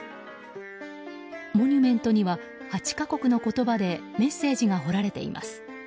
モニュメントには８か国の言葉でメッセージが彫られています。